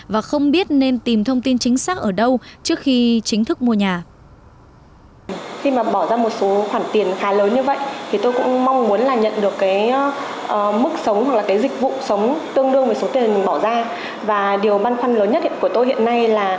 và không biết nên tìm thông tin chính xác ở đâu trước khi chính thức mua nhà